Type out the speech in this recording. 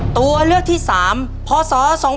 ตัวเลือกที่๓พศ๒๕๖